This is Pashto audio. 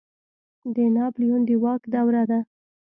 د ناپلیون د واک دوره ده.